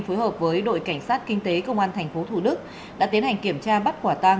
phối hợp với đội cảnh sát kinh tế công an tp thủ đức đã tiến hành kiểm tra bắt quả tang